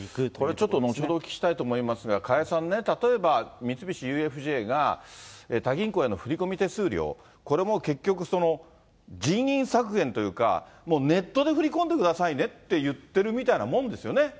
これちょっと後ほどお聞きしたいと思いますが、加谷さんね、例えば三菱ＵＦＪが他銀行への振り込み手数料、これも結局、人員削減というか、ネットで振り込んでくださいねって言ってるようなものですよね。